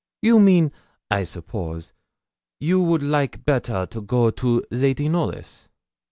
'You mean, I suppose, you would like better to go to Lady Knollys?'